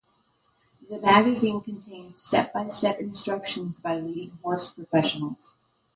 The magazine contains step-by-step instructions by leading horse professionals.